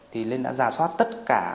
thì nên đã giả soát tất cả